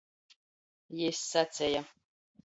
Jis saceja.